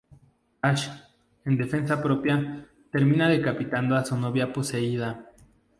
Ash, en defensa propia, termina decapitando a su novia poseída.